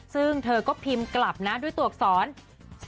ซึ่งเธอก็พิมพ์กลับนะด้วยตรวจสอนสเส